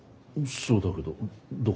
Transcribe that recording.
そうだけど。